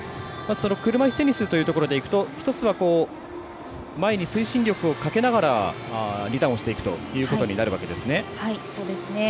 車いすテニスというところでいくと前に推進力をかけながらリターンをしていくということになるわけですね。